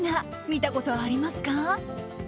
見たことありますか？